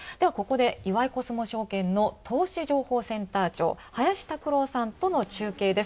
岩井コスモ証券の投資情報センター長、林卓郎さんとの中継です。